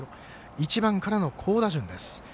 １番からの好打順です。